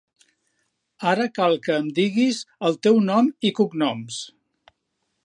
Ara cal que em diguis el teu nom i cognoms.